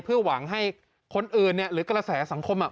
เพื่อหวังให้คนอื่นเนี่ยหรือกระแสสังคมอ่ะ